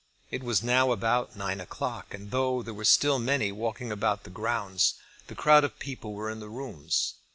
It was now about nine o'clock, and though there were still many walking about the grounds, the crowd of people were in the rooms.